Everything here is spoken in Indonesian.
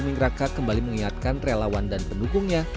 dan buming raka kembali mengingatkan relawan dan pendukungnya